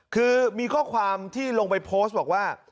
คือมีข้อความที่ลงไปโพสต์บอกว่า